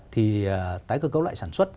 thì tái cơ cấu lại sản xuất